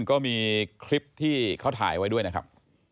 ก็มีคลิปที่เขาถ่ายไว้ด้วยนะครับ